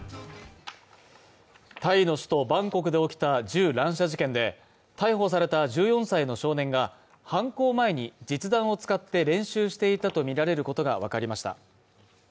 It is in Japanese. タイの首都バンコクで起きた銃乱射事件で逮捕された１４歳の少年が犯行前に実弾を使って練習していたとみられることが分かりました